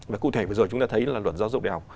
và cụ thể vừa rồi chúng ta thấy là luật giáo dục đều